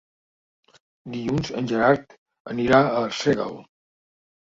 Dilluns en Gerard anirà a Arsèguel.